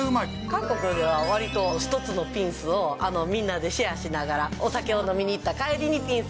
韓国ではわりと１つのピンスをみんなでシェアしながら、お酒を飲みに行った帰りにピンス